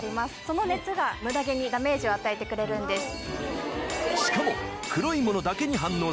その熱がムダ毛にダメージを与えてくれるんです。